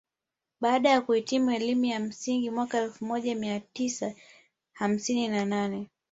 Baada ya kuhitimu elimu ya msingi mwaka elfu moja mia tisa hamsini na nane